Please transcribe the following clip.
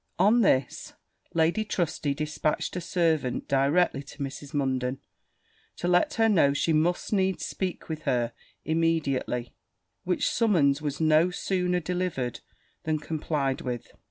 On this, Lady Trusty dispatched a servant directly to Mrs. Munden, to let her know she must needs speak with her immediately, which summons was no sooner delivered than complied with.